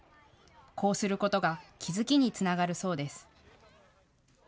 こうすることが気付きにつながるそうです。